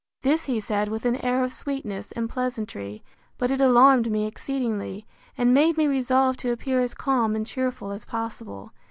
This he said with an air of sweetness and pleasantry; but it alarmed me exceedingly, and made me resolve to appear as calm and cheerful as possible.